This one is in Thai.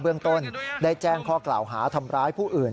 เบื้องต้นได้แจ้งข้อกล่าวหาทำร้ายผู้อื่น